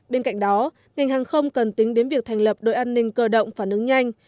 bên cạnh đó ngành hàng không cần tính đến việc thành lập đội an ninh cơ động phản ứng nhanh